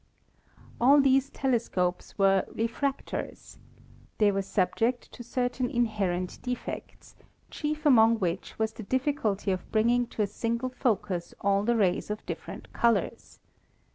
All these telescopes were "refractors." They were sub i8 ASTRONOMY ject to certain inherent defects, chief among which was the difficulty of bringing to a single focus all the rays of differ ent colors.